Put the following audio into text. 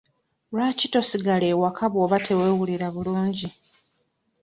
Lwaki tosigala ewaka bw'oba teweewulira bulungi?